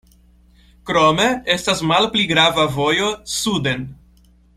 Krome estas malpli grava vojo suden.